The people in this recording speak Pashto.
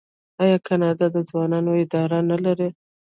آیا کاناډا د ځوانانو اداره نلري؟